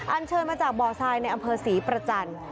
เชิญมาจากบ่อทรายในอำเภอศรีประจันทร์